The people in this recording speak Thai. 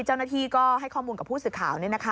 เจ้าหน้าที่ก็ให้ข้อมูลกับผู้สื่อข่าว